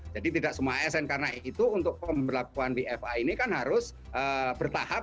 jadi tidak semua asn karena itu untuk pembelakuan wfa ini kan harus bertahap